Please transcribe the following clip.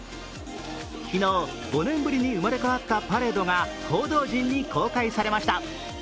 昨日５年ぶりに生まれ変わったパレードが報道陣に公開されました。